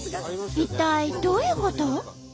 一体どういうこと？